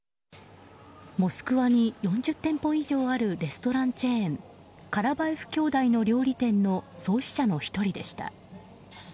モスクワに４０店舗以上あるレストランチェーンカラバエフ兄弟の料理店の創設者の１人でした。